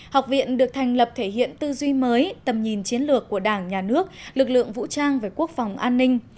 học viện được thành lập thể hiện tư duy mới tầm nhìn chiến lược của đảng nhà nước lực lượng vũ trang về quốc phòng an ninh